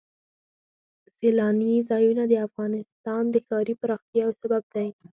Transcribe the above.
سیلاني ځایونه د افغانستان د ښاري پراختیا یو سبب دی.